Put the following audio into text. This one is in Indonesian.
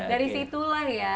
dari situlah ya